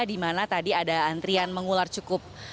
di mana tadi ada antrian mengular cukup